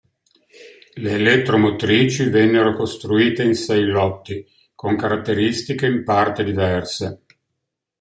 Le elettromotrici vennero costruite in sei lotti, con caratteristiche in parte diverse.